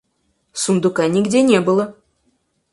Сундука нигде не было.